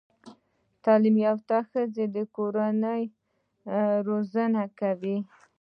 تعليم يافته ښځه د کورنۍ روزانه کوي